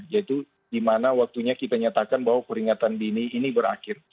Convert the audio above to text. yaitu di mana waktunya kita nyatakan bahwa peringatan dini ini berakhir